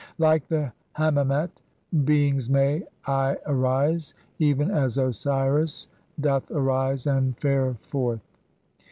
1 Like the Hammemet 2 beings may I arise, "even as Osiris doth arise and fare forth."